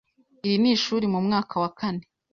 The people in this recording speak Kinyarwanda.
iri n,ishuri mu mwaka wa kane